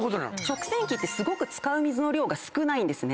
食洗機って使う水の量が少ないんですね。